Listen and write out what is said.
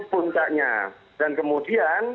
puncaknya dan kemudian